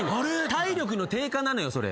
体力の低下なのよそれ。